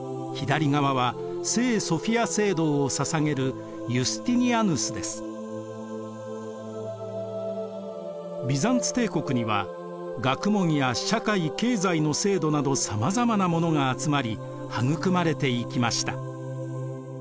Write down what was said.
向かって右側は都の左側はビザンツ帝国には学問や社会・経済の制度などさまざまなものが集まり育まれていきました。